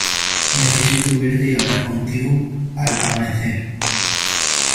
necesito verte y hablar contigo. al amanecer .